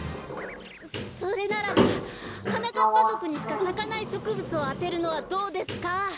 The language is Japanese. それならばはなかっぱぞくにしかさかないしょくぶつをあてるのはどうですか？